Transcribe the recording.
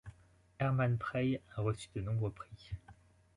Hermann Prey a reçu de nombreux prix.